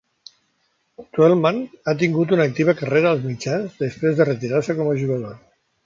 Twellman ha tingut una activa carrera als mitjans després de retirar-se com a jugador.